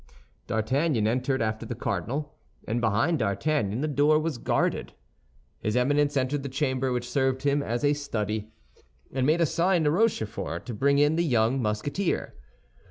D'Artagnan entered after the cardinal, and behind D'Artagnan the door was guarded. His Eminence entered the chamber which served him as a study, and made a sign to Rochefort to bring in the young Musketeer.